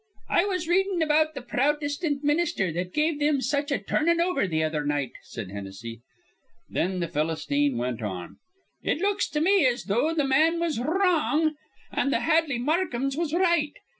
"I was readin' about th' Prowtestant minister that give thim such a turnin' over th' other night," said Hennessy. Then the Philistine went on: "It looks to me as though th' man was wr rong, an' th' Hadley Markhams was right.